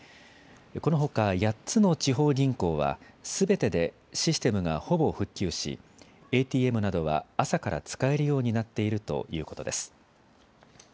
このほか８つの地方銀行はすべてでシステムがほぼ復旧しＡＴＭなどは朝から使えるようになっているということです。